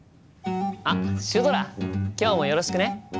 あっシュドラ今日もよろしくね！